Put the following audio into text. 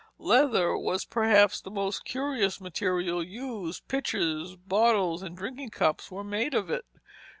Leather was perhaps the most curious material used. Pitchers, bottles, and drinking cups were made of it.